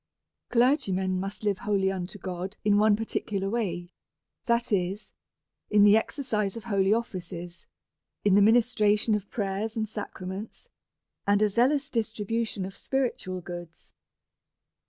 Clergymen must live wholly unto God in one parti cular way,, that is, in the exercise of holy offices, in the ministration of prayers and sacraments, and a zealous distribution of spiritual goods.